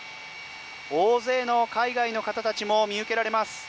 大勢の海外の方たちも見受けられます。